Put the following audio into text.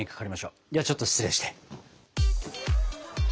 ではちょっと失礼して。